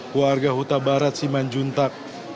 keluarga huta barat siman juntag